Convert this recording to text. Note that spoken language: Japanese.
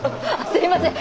すいません